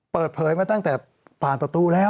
เปิดเผยมาตั้งแต่ผ่านประตูแล้ว